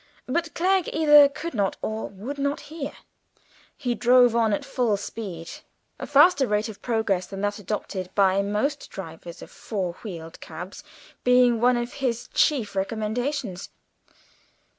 But Clegg either could not or would not hear; he drove on at full speed, a faster rate of progress than that adopted by most drivers of four wheeled cabs being one of his chief recommendations.